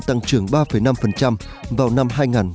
tăng trưởng ba năm vào năm hai nghìn hai mươi